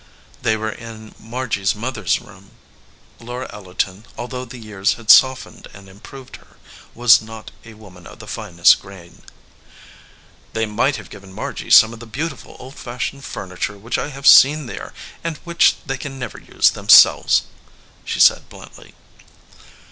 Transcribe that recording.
They were in Margy s mother s room; Laura Ellerton, although the years had softened and im proved her, was not a woman of the finest grain. "They might have given Margy some of the beautiful old fashioned furniture which I have seen there and which they can never use themselves," she said, bluntly.